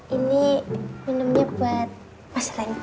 ini minumnya buat mas rendy